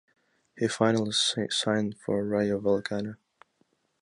He finally signed for Rayo Vallecano.